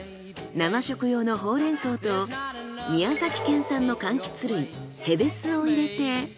生食用のほうれん草と宮崎県産の柑橘類へべすを入れて。